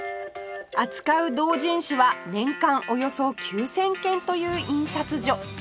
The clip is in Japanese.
扱う同人誌は年間およそ９０００件という印刷所